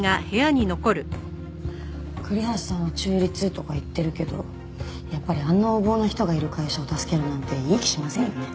栗橋さんは中立とか言ってるけどやっぱりあんな横暴な人がいる会社を助けるなんていい気しませんよね。